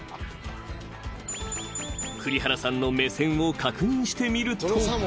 ［栗原さんの目線を確認してみると］